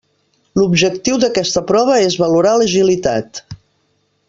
L'objectiu d'aquesta prova és valorar l'agilitat.